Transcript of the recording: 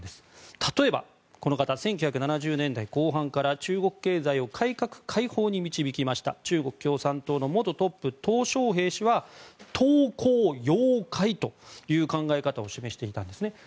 例えば、この方１９７０年代後半から中国経済を改革・開放に導いた中国共産党の元トップトウ・ショウヘイ氏は韜光養晦という考え方を示していたんです。